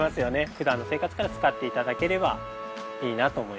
普段の生活から使っていただければいいなと思います。